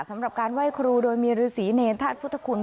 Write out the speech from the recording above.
สำหรับการไหว้ครูโดยมีฤษีเนรธาตุพุทธคุณ